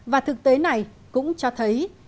và thực tế này cũng cho thấy